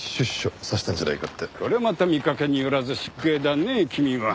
こりゃまた見かけによらず失敬だね君は。